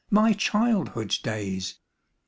my childhood's days !